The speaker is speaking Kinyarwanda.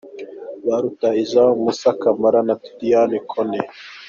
Ba rutahizamu : Moussa Camara na Tidiane Kone.